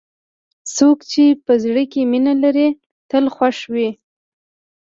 څوک چې په زړه کې مینه لري، تل خوښ وي.